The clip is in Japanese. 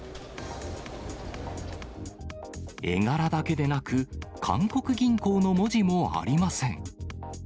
絵柄だけでなく、韓国銀行の文字もありません。